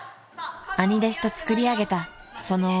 ［兄弟子とつくり上げたその思い］